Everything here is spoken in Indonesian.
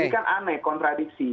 ini kan aneh kontradiksi